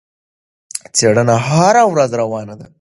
څېړنه هره ورځ روانه ده.